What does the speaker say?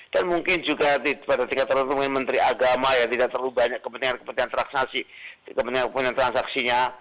dan mungkin juga pada tingkat terutama menteri agama yang tidak terlalu banyak kepentingan transaksi kepentingan transaksinya